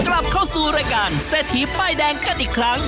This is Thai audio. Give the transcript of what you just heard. กลับเข้าสู่รายการเศรษฐีป้ายแดงกันอีกครั้ง